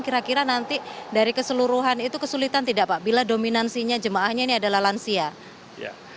kira kira nanti dari keseluruhan itu kesulitan tidak pak bila dominansinya jemaahnya ini adalah lansia